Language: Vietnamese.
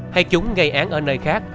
hay chúng gây án ở nơi khác